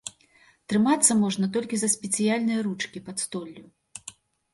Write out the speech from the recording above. Трымацца можна толькі за спецыяльныя ручкі пад столлю.